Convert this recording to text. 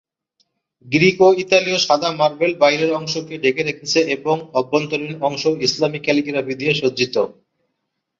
Greek ও ইতালীয় সাদা মার্বেল বাইরের অংশকে ঢেকে রেখেছে এবং অভ্যন্তরীণ অংশ ইসলামী ক্যালিগ্রাফি দিয়ে সজ্জিত।